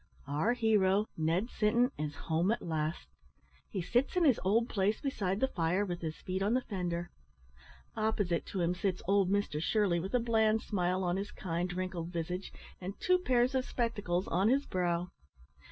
Our hero, Ned Sinton, is home at last. He sits in his old place beside the fire, with his feet on the fender. Opposite to him sits old Mr Shirley, with a bland smile on his kind, wrinkled visage, and two pair of spectacles on his brow.